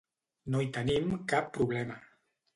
No hi tenim cap problema.